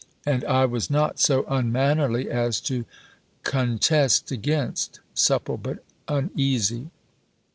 "and I was not so unmannerly as to contest against," (supple, but uneasy!)